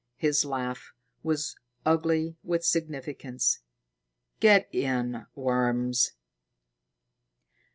His laugh was ugly with significance. "Get in, worms!"